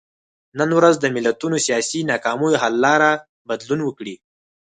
نن ورځ د ملتونو سیاسي ناکامیو حل لاره بدلون وکړي.